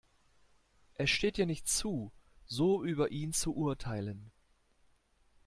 Es steht ihr nicht zu, so über ihn zu urteilen.